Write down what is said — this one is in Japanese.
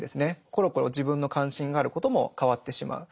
コロコロ自分の関心があることも変わってしまう。